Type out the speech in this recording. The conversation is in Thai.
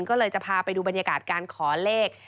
ก็เลยจะพาไปดูบรรยากาศการขอเลข